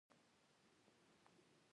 روحاني بصیرت د لوړ حقیقت مستقیم درک دی.